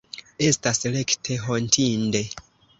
Estas rekte hontinde.